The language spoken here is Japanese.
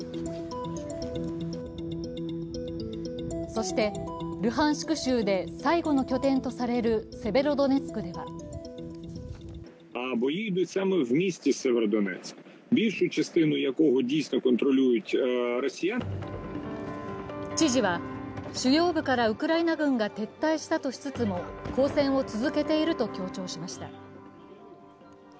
そして、ルハンシク州で最後の拠点とされるセベロドネツクでは知事は主要部からウクライナ軍が撤退したとしつつも抗戦を続けていると強調しました。